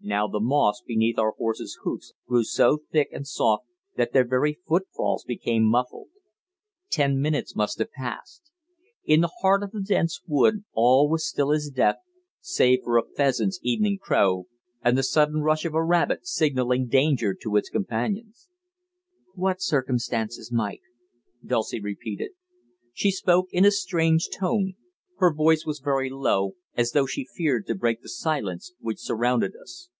Now the moss beneath our horses' hoofs grew so thick and soft that their very footfalls became muffled. Ten minutes must have passed. In the heart of the dense wood all was still as death, save for a pheasant's evening crow, and the sudden rush of a rabbit signalling danger to its companions. "What circumstances, Mike?" Dulcie repeated. She spoke in a strange tone. Her voice was very low, as though she feared to break the silence which surrounded us.